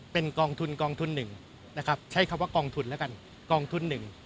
เป็นกองทุนกองทุนหนึ่งนะครับใช้คำว่ากองทุนแล้วกันกองทุนหนึ่ง